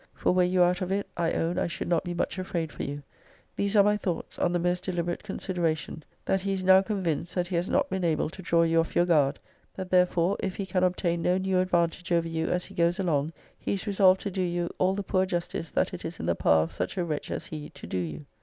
For were you out of it, I own I should not be much afraid for you. These are my thoughts, on the most deliberate >>> consideration: 'That he is now convinced, that he has not been able to draw you off your guard: that therefore, if he can obtain no new advantage over you as he goes along, he is resolved to do you all the poor justice that it is in the power of such a wretch as he to do you.